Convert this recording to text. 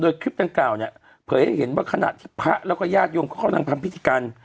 โดยคลิปดังกล่าวเนี่ยเผยให้เห็นว่าขณะที่พระแล้วก็ญาติโยมเขากำลังทำพิธีกัน